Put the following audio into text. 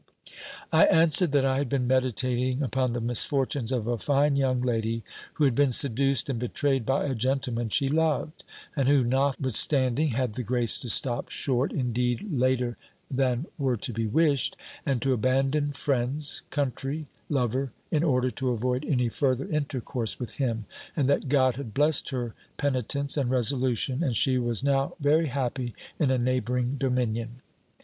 I answered that I had been meditating upon the misfortunes of a fine young lady, who had been seduced and betrayed by a gentleman she loved, and who, notwithstanding, had the grace to stop short (indeed, later than were to be wished), and to abandon friends, country, lover, in order to avoid any further intercourse with him; and that God had blessed her penitence and resolution, and she was now very happy in a neighbouring dominion.